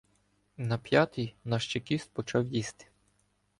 На п'ятий наш Чекіст почав їсти.